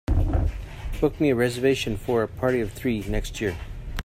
Book me a reservation for a party of three next year